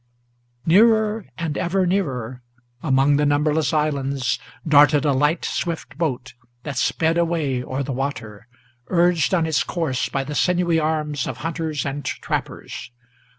Nearer and ever nearer, among the numberless islands, Darted a light, swift boat, that sped away o'er the water, Urged on its course by the sinewy arms of hunters and trappers.